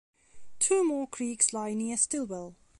Two more creeks lie near Stilwell.